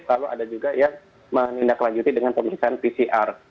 lalu ada juga yang menindaklanjuti dengan pemeriksaan pcr